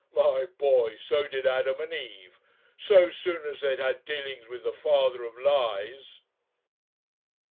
My boy, so did Adam and Eve ... so soon as they'd had dealings with the father of lies!"